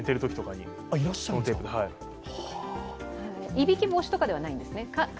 いびき防止とかではないんですね？